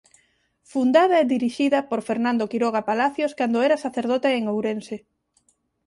Fundada e dirixida por Fernando Quiroga Palacios cando era sacerdote en Ourense.